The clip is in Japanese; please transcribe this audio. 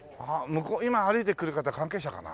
今歩いてくる方関係者かな。